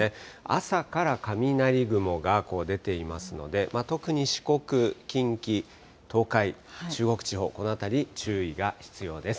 朝から雷雲が出ていますので、特に四国、近畿、東海、中国地方、この辺り注意が必要です。